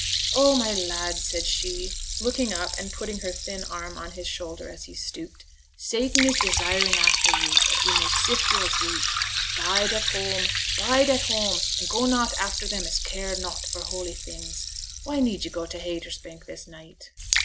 'Oh, my lad!' said she, looking up and putting her thin arm on his shoulder as he stooped, 'Satan is desiring after yo' that he may sift yo' as wheat. Bide at whoam, bide at whoam, and go not after them as care nought for holy things. Why need yo' go to Haytersbank this night?'